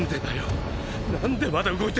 ⁉何でまだ動いてんだ